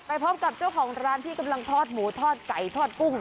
ไปพบกับช่วงร้านที่กำลังทอดหมูทอดไก่ทอดกุ้ง